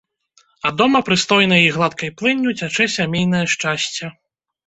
А дома прыстойнай і гладкай плынню цячэ сямейнае шчасце.